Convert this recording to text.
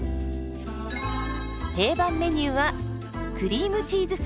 定番メニューはクリームチーズサーモン。